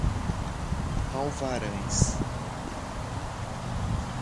Alvarães